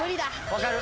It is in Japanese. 分かる。